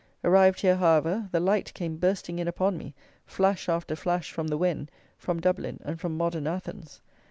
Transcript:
Arrived here, however, the light came bursting in upon me, flash after flash, from the Wen, from Dublin, and from Modern Athens.